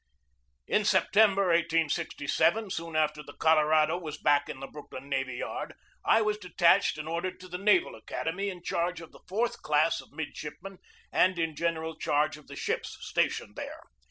In September, 1867, soon after the Colorado was back in the Brooklyn Navy Yard, I was detached and ordered to the Naval Academy in charge of the fourth class of midshipmen and in general charge of the ships stationed there.